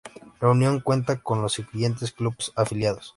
La Unión cuenta con los siguiente clubes afiliados.